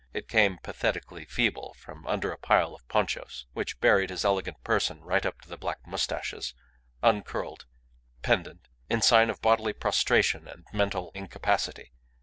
It came pathetically feeble from under a pile of ponchos, which buried his elegant person right up to the black moustaches, uncurled, pendant, in sign of bodily prostration and mental incapacity.